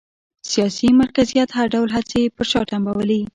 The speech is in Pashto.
سیاسي مرکزیت هر ډول هڅې یې پر شا تمبولې